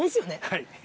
はい。